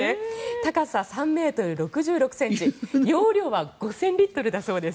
高さ３ｍ６６ｃｍ、容量は５０００リットルだそうです。